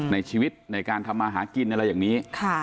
ในชีวิตในการทำมาหากินอะไรอย่างนี้